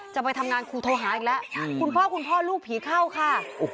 จะไปทำงานครูโทรหาอีกแล้วคุณพ่อคุณพ่อลูกผีเข้าค่ะ